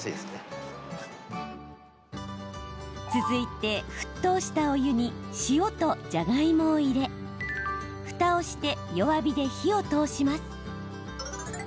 続いて沸騰したお湯に塩と、じゃがいもを入れふたをして、弱火で火を通します。